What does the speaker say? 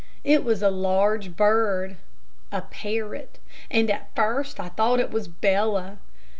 It was a large bird a parrot, and at first I thought it was Bella.